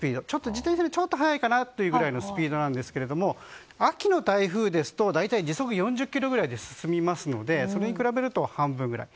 自転車よりちょっと速いかなというスピードなんですけれども秋の台風ですと大体時速４０キロぐらいで進みますのでそれに比べると半分くらい。